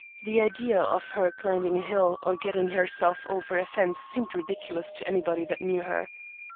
The idea of her climbing a hill or getting herself over a fence seemed ridiculous to anybody that knew her.